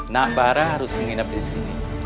nabara harus menginap di sini